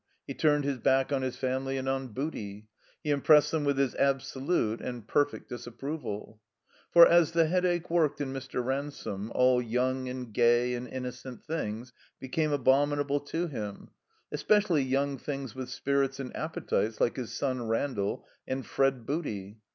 He turned his back on his family and on Booty. He impressed them with his absolute and perfect dis approval. For, as the Headache worked in Mr. Ransome, all young and gay and innocent things became abomin able to him. Especially young things with spirits and appetites like his son Randall and Fred Booty.